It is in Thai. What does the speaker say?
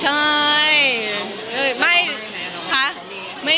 พี่ไปกินสาป